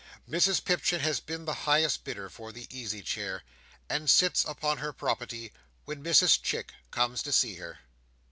Mrs Pipchin has been the highest bidder for the easy chair, and sits upon her property when Mrs Chick comes to see her.